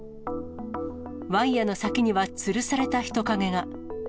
ワイヤの先にはつるされた人影が。